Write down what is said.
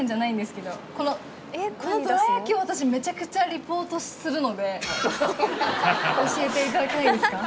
このどら焼きを私めちゃくちゃリポートするので教えていただけないですか。